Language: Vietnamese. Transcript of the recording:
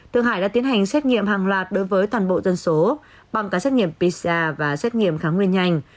thượng hải đã tiến hành xét nghiệm hàng loạt đối với toàn bộ dân số bằng cả xét nghiệm pcr và xét nghiệm kháng nguyên nhanh